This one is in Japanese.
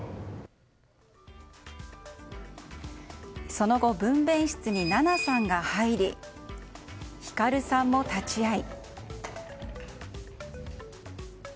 その後分娩室に奈々さんが入り光さんも立ち会い。